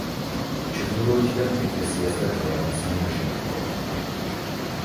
ჩრდილოეთიდან ეკლესიას და გალავანს მინაშენი ჰქონია.